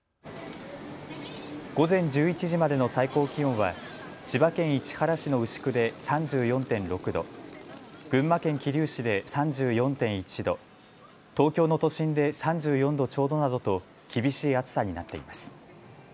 午前１１時までの最高気温は千葉県市原市の牛久で３４．６度、群馬県桐生市で３４．１度、東京の都心で３４度ちょうどなどと厳しい暑さになっています。